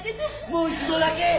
もう一度だけ。